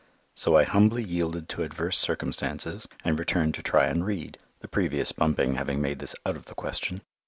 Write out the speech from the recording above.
So I humbly yielded to adverse circumstances and returned to try and read, the previous bumping having made this out of the question.